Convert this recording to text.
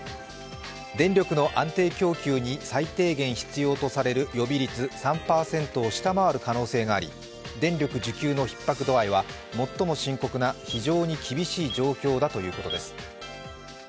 電力の安定供給に最低限必要とされる予備率３％を下回る可能性があり電力需給のひっ迫度合いは最も深刻な非常に厳しい状況だということです。